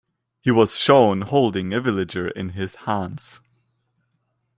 He was shown holding a villager in his hands.